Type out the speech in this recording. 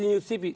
saya tadi di tv